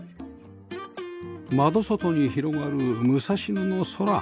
窓外に広がる武蔵野の空